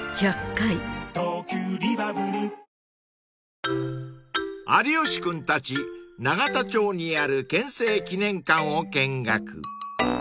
いいじゃないだって［有吉君たち永田町にある憲政記念館を見学］